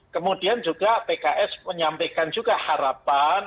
kemudian juga pks menyampaikan juga harapan